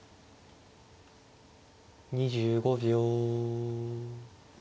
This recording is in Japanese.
２５秒。